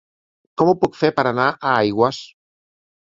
Com ho puc fer per anar a Aigües?